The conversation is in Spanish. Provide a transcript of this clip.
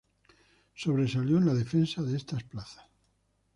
Sobresalió en la defensa de estas plazas.